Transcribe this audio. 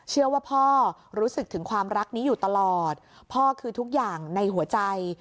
เชื่อว่าพ่อรู้สึกถึงความรักนี้อยู่ตลอดพ่อคือทุกอย่างในหัวใจ